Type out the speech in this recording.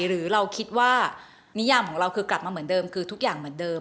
หรือเราคิดว่านิยามของเราคือกลับมาเหมือนเดิมคือทุกอย่างเหมือนเดิม